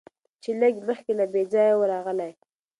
چي لږ مخکي له بل ځایه وو راغلی